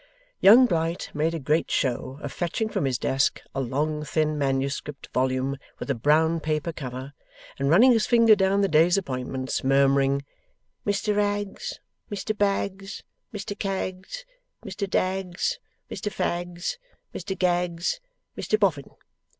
Young Blight made a great show of fetching from his desk a long thin manuscript volume with a brown paper cover, and running his finger down the day's appointments, murmuring, 'Mr Aggs, Mr Baggs, Mr Caggs, Mr Daggs, Mr Faggs, Mr Gaggs, Mr Boffin.